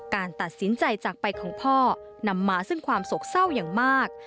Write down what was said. การตัดสินใจจากไปของพ่อนำมาซึ่งความโศกเศร้าอย่างมาก